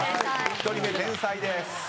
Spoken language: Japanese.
１人目天才です。